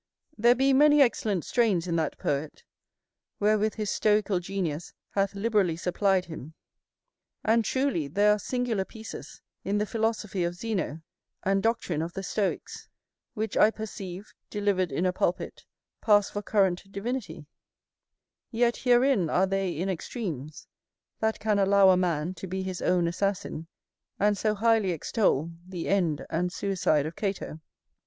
There be many excellent strains in that poet, wherewith his stoical genius hath liberally supplied him: and truly there are singular pieces in the philosophy of Zeno, and doctrine of the stoics, which I perceive, delivered in a pulpit, pass for current divinity: yet herein are they in extremes, that can allow a man to be his own assassin, and so highly extol the end and suicide of Cato.